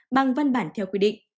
bằng văn bản theo quy định